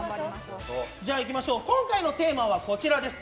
今回のテーマはこちらです。